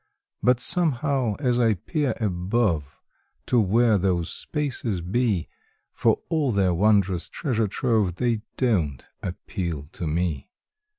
But somehow as I peer above To where those spaces be, For all their wondrous treasure trove They don't appeal to me.